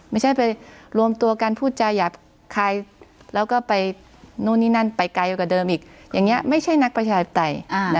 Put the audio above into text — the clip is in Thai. ไม่ใช่ไปรวมตัวการพูดจ่ายักษ์แล้วก็ไปนู่นนี่นั่นไปใกล้กับเดิมอย่างนี้ไม่ใช่นักประชาธิบใจ